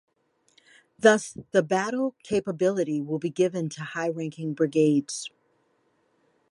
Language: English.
Thus the battle capability will be given to high-ranking brigades.